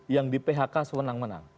yang di phk sewenang wenang